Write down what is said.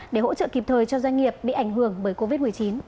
để hỗ trợ kịp thời cho doanh nghiệp bị ảnh hưởng bởi covid một mươi chín